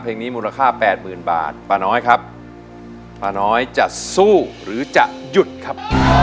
เพลงนี้มูลค่าแปดหมื่นบาทป้าน้อยครับป้าน้อยจะสู้หรือจะหยุดครับ